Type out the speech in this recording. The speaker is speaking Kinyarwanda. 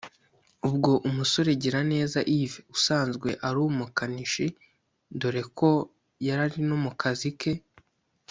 ubwo umusore Giraneza Yves usanzwe ari umukanishi dore ko yari ari no mu kazi ke